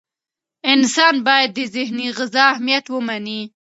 انسان باید د ذهني غذا اهمیت ومني.